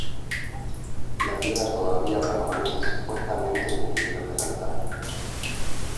La piedra todavía permanece supuestamente en el interior del altar.